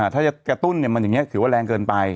ถ้าจะกระตุ้นมันอย่างนี้ถือว่าแรงเกินไป